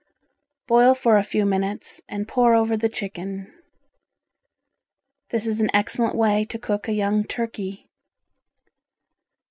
Boil for a few moments and pour over the chicken. This is an excellent way to cook a young turkey.